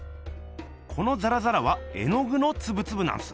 このザラザラは絵のぐのツブツブなんす。